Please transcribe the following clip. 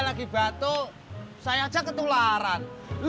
kalau lagi batuk saya ajak ke tularan